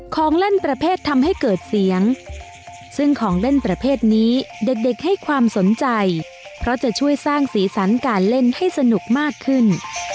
ของเล่นประเภททำให้เกิดเสียงซึ่งของเล่นประเภทนี้เด็กให้ความสนใจเพราะจะช่วยสร้างสีสันการเล่นให้สนุกมากขึ้น